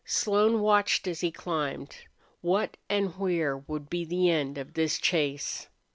Slone watched as he climbed. What and where would be the end of this chase?